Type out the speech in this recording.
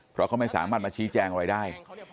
เพราะเขาไม่สามารถมาชี้แจงอะไรได้